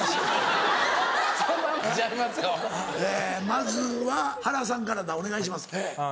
まずは原さんからだお願いします。